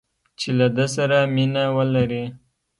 چې له ده سره مینه ولري